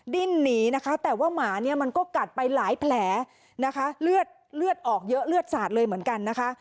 ดิ้นหนีนะคะแต่ว่าหมาเนี่ยมันก็กัดไปหลายแผลนะคะเลือดเลือดออกเยอะเลือดสาดเลยเหมือนกันนะคะ